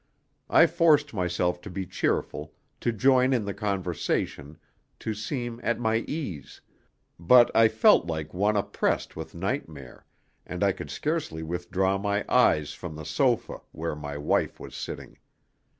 I forced myself to be cheerful, to join in the conversation, to seem at my ease; but I felt like one oppressed with nightmare, and I could scarcely withdraw my eyes from the sofa where my wife was sitting.